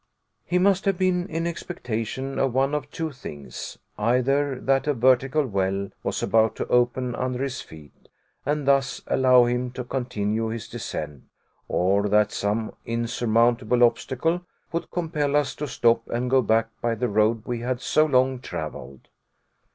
He must have been in expectation of one of two things; either that a vertical well was about to open under his feet, and thus allow him to continue his descent, or that some insurmountable obstacle would compel us to stop and go back by the road we had so long traveled.